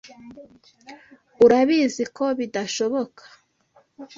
Urabizi ko bidashoboka.